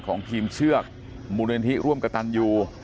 ของทีมเชือกมูลนิธิร่วมกระตันยู